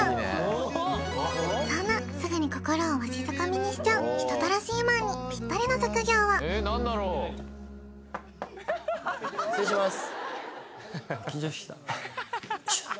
そんなすぐに心をわしづかみにしちゃう人たらしマンにぴったりの職業はお願いします